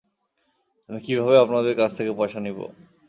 আমি কীভাবে আপনাদের কাছে থেকে পয়সা নিবো?